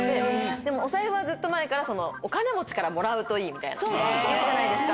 でもお財布はずっと前からお金持ちからもらうといいみたいないうじゃないですか。